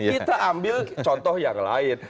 kita ambil contoh yang lain